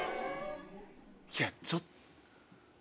いやちょっと。